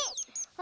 あ！